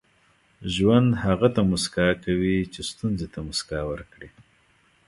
• ژوند هغه ته موسکا کوي چې ستونزې ته موسکا ورکړي.